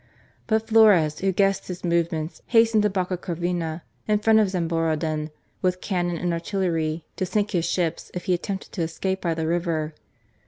But Flores who guessed his movements, hastened to Bocca Corvina, in front of Zamboroddon, with cannon and artillery, to sink his ships if he attempted to escape by the river.